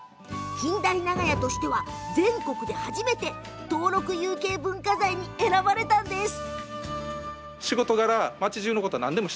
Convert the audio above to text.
近代長屋としては、全国で初めて登録有形文化財に選ばれたんです。